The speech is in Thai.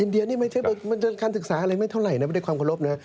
เดียนี่ไม่ใช่การศึกษาอะไรไม่เท่าไหร่นะไม่ได้ความเคารพนะ